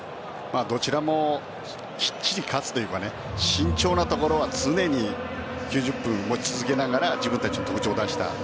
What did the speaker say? どちらもきっちり勝つというか慎重なところは常に９０分持ち続けながら自分たちの特徴を出した。